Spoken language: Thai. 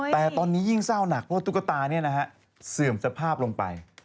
แต่ตอนนี้ยิ่งเศร้าหนักเพราะตุ๊กตาเสื่อมสภาพลงไป